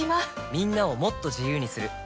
みんなをもっと自由にする「三菱冷蔵庫」